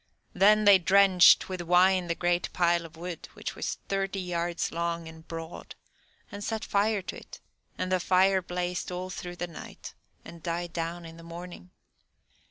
Then they drenched with wine the great pile of wood, which was thirty yards long and broad, and set fire to it, and the fire blazed all through the night and died down in the morning.